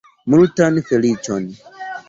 Multan feliĉon!